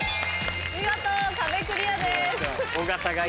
見事壁クリアです。